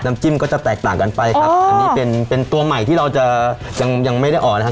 จิ้มก็จะแตกต่างกันไปครับอันนี้เป็นเป็นตัวใหม่ที่เราจะยังยังไม่ได้ออกนะครับ